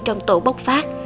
trong tổ bốc phát